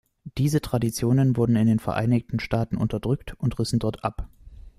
Diese Traditionen wurden in den Vereinigten Staaten unterdrückt und rissen dort ab.